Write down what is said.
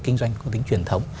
kinh doanh công tính truyền thống